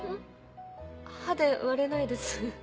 歯で割れないです。